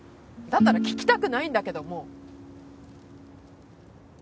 だったら聞きたくないんだけどもう。